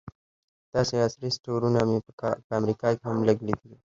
داسې عصري سټورونه مې په امریکا کې هم لږ لیدلي وو.